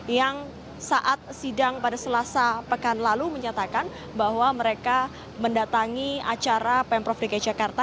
yang saat sidang pada selasa pekan lalu menyatakan bahwa mereka mendatangi acara pemprov dki jakarta